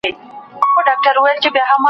حکومتونه ولي د سولي تړونونه لاسلیک کوي؟